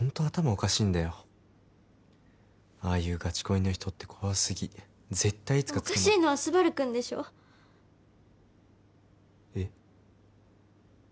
おかしいんだよああいうガチ恋の人って怖すぎ絶対いつか捕まるおかしいのはスバルくんでしょえっ？